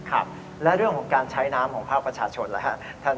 ครับแล้วเรื่องของการใช้น้ำของภาพประชาชนแล้วฮะ